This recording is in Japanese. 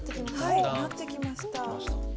はいなってきました。